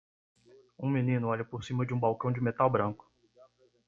Um menino olha por cima de um balcão de metal branco.